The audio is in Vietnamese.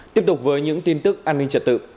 tiếp tục với những tin tức an ninh trật tự